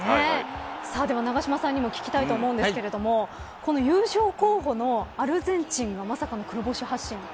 永島さんにも聞きたいと思うんですけどこの優勝候補のアルゼンチンがまさかの黒星発進。